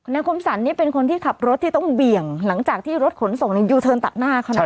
คมสรรนี่เป็นคนที่ขับรถที่ต้องเบี่ยงหลังจากที่รถขนส่งในยูเทิร์นตัดหน้าเขานะ